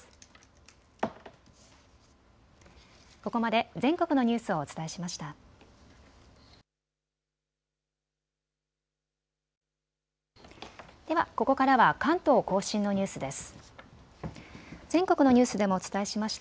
ではここからは関東甲信のニュースです。